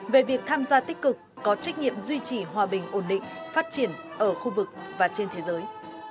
về việc tham gia tích cực có trách nhiệm duy trì hòa bình ổn định phát triển ở khu vực và trên thế giới